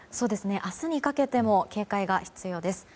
明日にかけても警戒が必要です。